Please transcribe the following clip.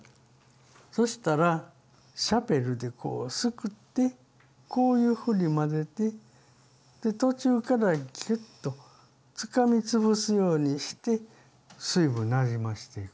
そしたらシャベルでこうすくってこういうふうに混ぜてで途中からぎゅっとつかみつぶすようにして水分なじましていく。